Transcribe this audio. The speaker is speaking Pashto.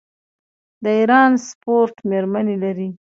د ایران سپورټ میرمنې لري.